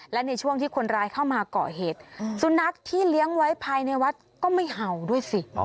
และในช่วงที่คนร้ายเข้ามาก่อเหตุสุนัขที่เลี้ยงไว้ภายในวัดก็ไม่เห่าด้วยสิ